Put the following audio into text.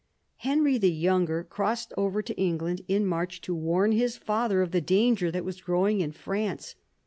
Henry, the younger, crossed over to England in March to warn his father of the danger that was growing in France.